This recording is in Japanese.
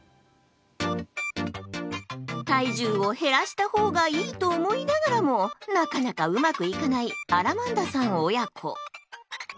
体重を減らした方がいいと思いながらもなかなかうまくいかないアラマンダさん親子。